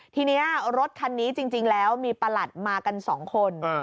ทีนี้รถคันนี้จริงแล้วมีประหลัดมากัน๒คน